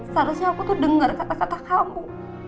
seharusnya aku tuh dengar kata kata kamu